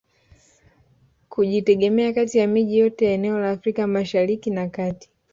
Kujitegemea kati ya miji yote ya eneo la Afrika masahariki na kati